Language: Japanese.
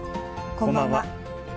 こんばんは。